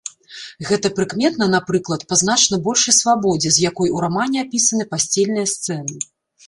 Гэта прыкметна, напрыклад, па значна большай свабодзе, з якой у рамане апісаны пасцельныя сцэны.